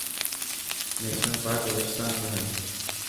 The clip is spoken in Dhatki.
نيشنل پارڪ بلوچستان ۾ هي.